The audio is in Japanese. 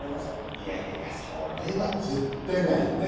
いやいやいやそれは絶対ないよねぇ